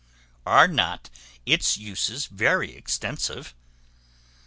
Are not its uses very extensive?